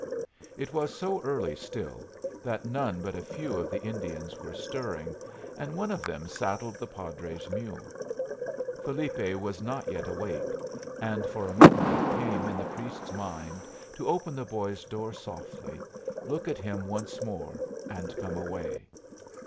It was so early still that none but a few of the Indians were stirring, and one of them saddled the padre's mule. Felipe was not yet awake, and for a moment it came in the priest's mind to open the boy's door softly, look at him once more, and come away.